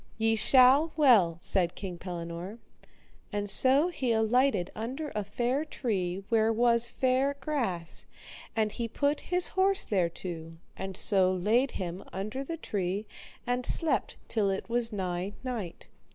Ye shall well, said King Pellinore. And so he alighted under a fair tree where was fair grass, and he put his horse thereto, and so laid him under the tree and slept till it was nigh night.